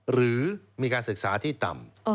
หรือมีการศึกษาที่ต่ำ